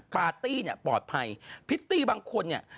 ปาร์ตี้เนี่ยปลอดภัยพริตตี้บางคนเนี่ย